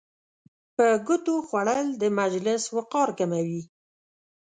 په ګوتو خوړل د مجلس وقار کموي.